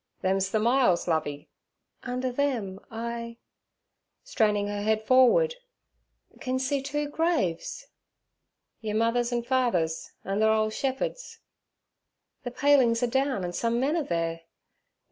'Them's ther myalls, Lovey.' 'Under them I' straining her head forward, 'can see two graves.' 'Yer mother an' father's; an' ther ole shep'e'd's.' 'The palings are down and some men are there.